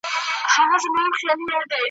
پرهارونه د فراق ټوله دوا سوه